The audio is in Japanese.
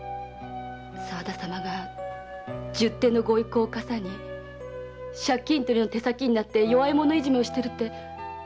沢田様が十手のご威光を嵩に借金取りの手先になって弱い者いじめをしてるって本当ですか？